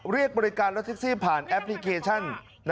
เรียกบริการรถแท็กซี่ผ่านแอปพลิเคชัน